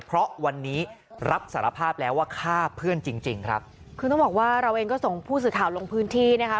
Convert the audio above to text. เพราะวันนี้รับสารภาพแล้วว่าฆ่าเพื่อนจริงจริงครับคือต้องบอกว่าเราเองก็ส่งผู้สื่อข่าวลงพื้นที่นะคะ